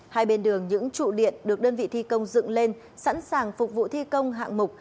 hai bên đường những trụ điện được đơn vị thi công dựng lên sẵn sàng phục vụ thi công hạng mục